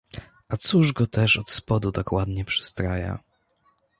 A cóż go też od spodu tak ładnie przystraja?